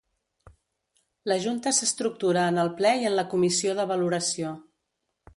La Junta s'estructura en el Ple i en la Comissió de Valoració.